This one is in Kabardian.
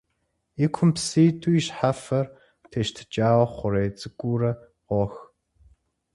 И кум псы иту, и щхьэфэр тещтыкӀауэ, хъурей цӀыкӀуурэ къох.